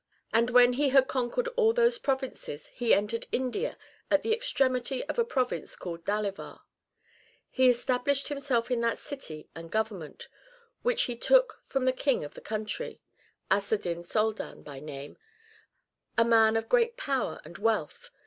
And when he had conquered all those provinces, he entered India at the 1 1 CiiAP. XVIII. HUMPED OXEN AND FAT TAILED SHEEP 99 extremity of a province called Dalivar. He established himself in that city and government, which he took from the King of the country, Asedin Soldan by name, a man of great power and wealth.